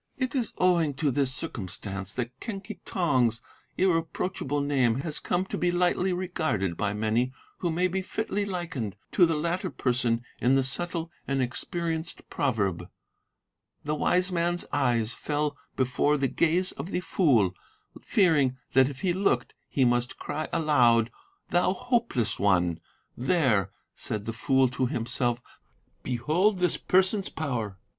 "It is owing to this circumstance that Quen Ki Tong's irreproachable name has come to be lightly regarded by many who may be fitly likened to the latter person in the subtle and experienced proverb, 'The wise man's eyes fell before the gaze of the fool, fearing that if he looked he must cry aloud, "Thou hopeless one!" "There," said the fool to himself, "behold this person's power!"